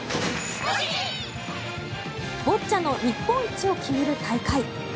ボッチャの日本一を決める大会。